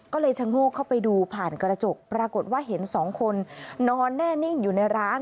ก็เลยชะโงกเข้าไปดูผ่านกระจกปรากฏว่าเห็นสองคนนอนแน่นิ่งอยู่ในร้าน